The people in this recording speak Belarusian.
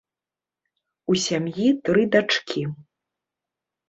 У сям'і тры дачкі.